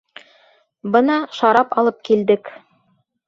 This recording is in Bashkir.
Бына шарап алып килдек.